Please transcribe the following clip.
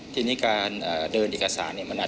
ทีนี้การเดินเอกสาร